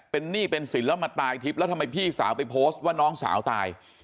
เป็นหนี้เป็นสินแล้วมาตายทิพย์แล้วทำไมพี่สาวไปโพสต์ว่าน้องสาวตาย